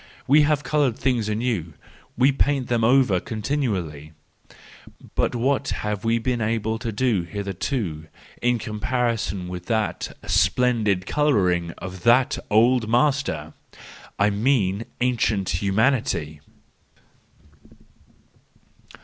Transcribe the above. —We have coloured things anew, we paint them over continually,—but what have we been able to do hitherto in comparison with the splendid colouring of that old master !—I mean ancient humanity.